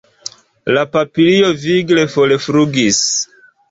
La papilio vigle forflugis.